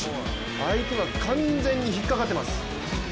相手は完全に引っ掛かってます。